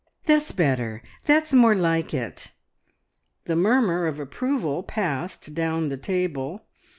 "That's better! That's more like it!" The murmur of approval passed down the table.